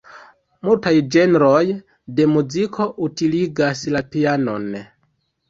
Multaj ĝenroj de muziko utiligas la pianon.